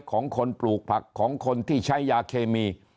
ของคนปลูกผักของคนที่ใช้ยาเคมี